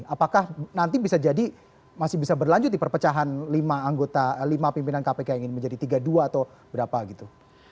apakah nanti bisa jadi masih bisa berlanjut di perpecahan lima anggota lima pimpinan kpk yang ingin menjadi tiga dua atau berapa gitu